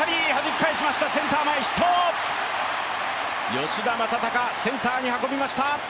吉田正尚、センターに運びました。